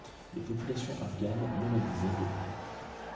Les populations afghanes nomadisaient beaucoup.